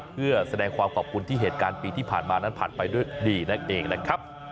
เพื่อแสดงความขอบคุณที่เหตุการณ์ปีที่ผ่านมานั้นผ่านไปด้วยดีนั่นเองนะครับ